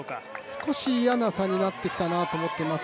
少し嫌な差になってきたなと思っています。